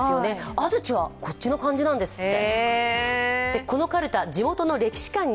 安土はこっちの漢字なんですって。